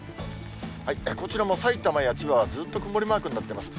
こちらもさいたまや千葉はずっと曇りマークになっています。